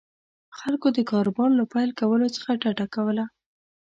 خلکو د کاروبار له پیل کولو څخه ډډه کوله.